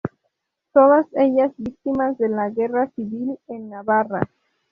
Todas ellas Víctimas de la Guerra Civil en Navarra.